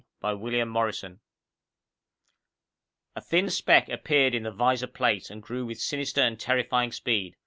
_ Illustrated by ASHMAN _A thin speck appeared in the visor plate and grew with sinister and terrifying speed.